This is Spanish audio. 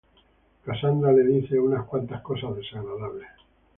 Cassandra le dice unas cuantas cosa desagradables.